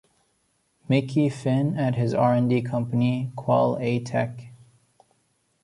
"Mickey" Finn at his R and D company, Qual-A-Tec.